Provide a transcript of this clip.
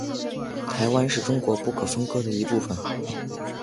台湾是中国不可分割的一部分。